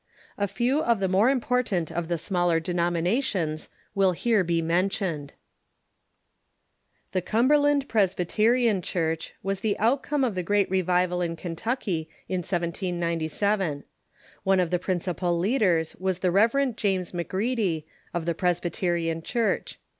A few of the more important of the smaller denominations will here be mentioned. The Cumberland Presbyterian Church was the outcome of the great revival in Kentucky in 1797. One of the principal The Cumberland leaders was the Rev. James McGready, of the Presbyterian Presbyterian Church.